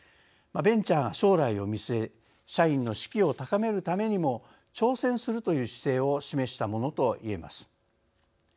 ベンチャーが将来を見据え社員の士気を高めるためにも挑戦するという姿勢を示したものといえます。